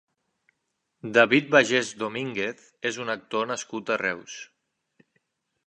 David Bagés Domínguez és un actor nascut a Reus.